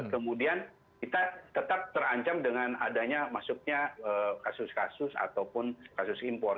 kemudian kita tetap terancam dengan adanya masuknya kasus kasus ataupun kasus impor